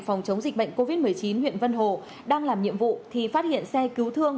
phòng chống dịch bệnh covid một mươi chín huyện vân hồ đang làm nhiệm vụ thì phát hiện xe cứu thương